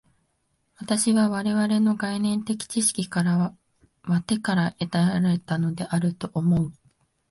私は我々の概念的知識は手から得られたのであると思う。